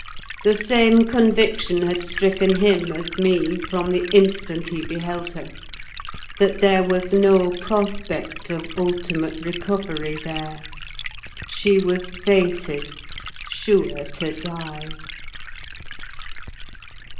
The same conviction had stricken him as me, from the instant he beheld her, that there was no prospect of ultimate recovery there—she was fated, sure to die.